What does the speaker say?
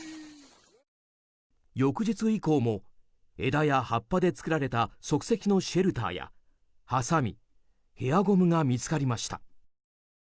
翌日以降も枝や葉っぱで作られた即席のシェルターやはさみ、ヘアゴムが見つかりました。